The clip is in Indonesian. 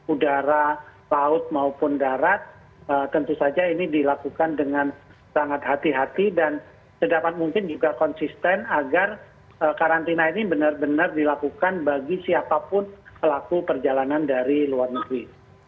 udara laut maupun darat tentu saja ini dilakukan dengan sangat hati hati dan sedapat mungkin juga konsisten agar karantina ini benar benar dilakukan bagi siapapun pelaku perjalanan dari luar negeri